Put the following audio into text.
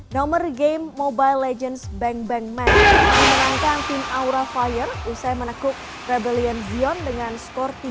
nomor game mobile legends bang bang man menerangkan tim aura fire usai menekuk rebellion zion dengan skor tiga